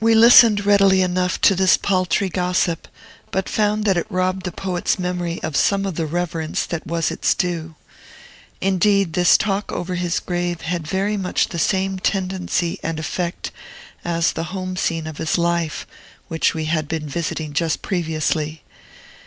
We listened readily enough to this paltry gossip, but found that it robbed the poet's memory of some of the reverence that was its due. Indeed, this talk over his grave had very much the same tendency and effect as the home scene of his life, which we had been visiting just previously.